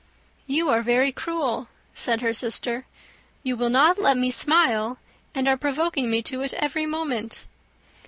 "You are very cruel," said her sister, "you will not let me smile, and are provoking me to it every moment."